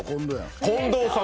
近藤やん。